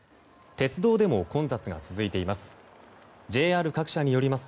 鉄道でも混雑が続いています。